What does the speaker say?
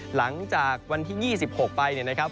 หลังจากวันที่๒๖ไปเนี่ยนะครับ